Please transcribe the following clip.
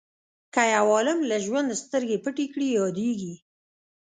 که یو عالم له ژوند سترګې پټې کړي یادیږي.